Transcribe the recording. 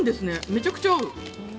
めちゃくちゃ合う。